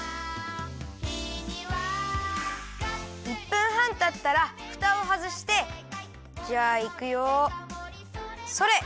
１分はんたったらふたをはずしてじゃあいくよそれ！